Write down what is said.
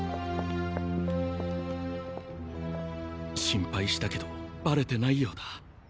心配したけどバレてないようだ。